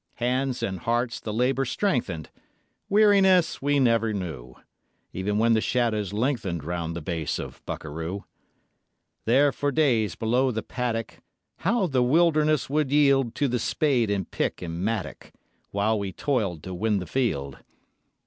Hands and hearts the labour strengthened; Weariness we never knew, Even when the shadows lengthened Round the base of Bukaroo. There for days below the paddock How the wilderness would yield To the spade, and pick, and mattock, While we toiled to win the field.